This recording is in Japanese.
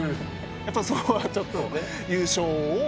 やっぱりそこはちょっと優勝を。